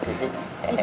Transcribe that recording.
sisi eh eh